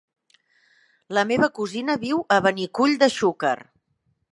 La meva cosina viu a Benicull de Xúquer.